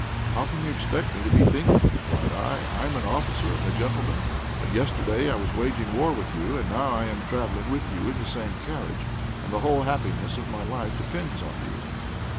"How can you expect me to be thinking?" replied I. "I am an officer and a gentleman; but yesterday I was waging war with you, and now I am travelling with you in the same carriage, and the whole happiness of my life depends on you."